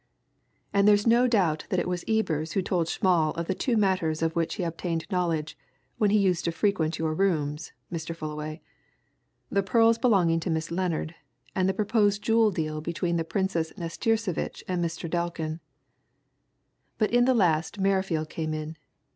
And there is no doubt that it was Ebers who told Schmall of the two matters of which he obtained knowledge when he used to frequent your rooms. Mr. Fullaway the pearls belonging to Miss Lennard, and the proposed jewel deal between the Princess Nastirsevitch and Mr. Delkin. But in that last Merrifield came in.